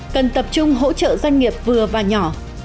cần tập trung hỗ trợ doanh nghiệp vừa và nhỏ